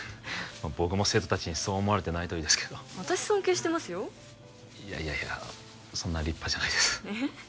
僕も生徒達にそう思われてないといいですけど私尊敬してますよいやいやいやそんな立派じゃないですえっ？